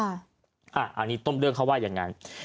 อันนี้ต้นเรื่องเขาว่าอย่างนั้น